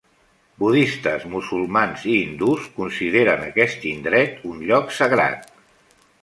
Budistes, musulmans i hindús consideren aquest indret un lloc sagrat.